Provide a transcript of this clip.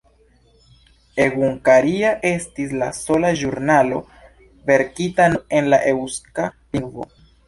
Egunkaria estis la sola ĵurnalo verkita nur en la eŭska lingvo.